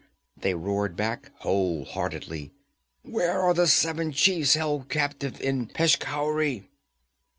they roared back, wholeheartedly. 'Where are the seven chiefs held captive in Peshkhauri?'